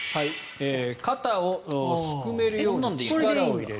肩をすくめるように力を入れる。